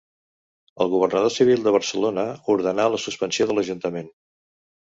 El governador civil de Barcelona ordenà la suspensió de l'ajuntament.